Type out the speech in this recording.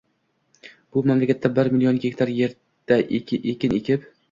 Bu mamlakatda bir million gektar yerda ekin ekib